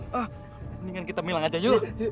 wah mendingan kita milang aja yuk